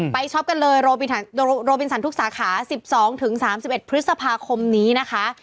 ช็อปกันเลยโรบินสันทุกสาขา๑๒๓๑พฤษภาคมนี้นะคะ